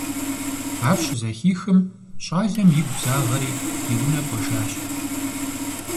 Ар щызэхихым, щӏалэм игу загъэри, и унэ кӀуэжащ.